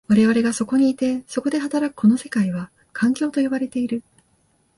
我々がそこにいて、そこで働くこの世界は、環境と呼ばれている。